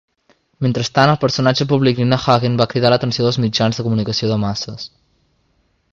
Mentrestant, el personatge públic Nina Hagen va cridar l'atenció dels mitjans de comunicació de masses.